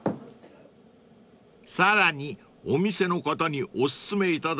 ［さらにお店の方にお薦めいただいた２品も］